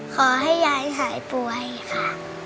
ขอให้ยายหายป่วยค่ะ